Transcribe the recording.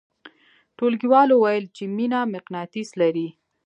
ټولګیوالو ویل چې مینه مقناطیس لري